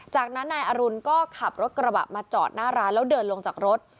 จากนั้นนายอรุณก็ขับรถกระบะมาจอดหน้าร้านแล้วเดินลงจากรถ